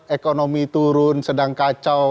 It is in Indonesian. ekonomi turun sedang kacau